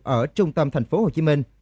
ở trung tâm thành phố hồ chí minh